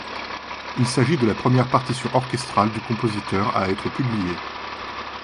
Il s'agit de la première partition orchestrale du compositeur à être publiée.